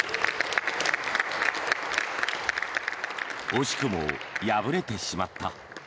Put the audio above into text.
惜しくも敗れてしまった。